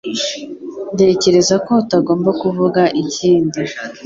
Ntekereza ko utagomba kuvuga ikindi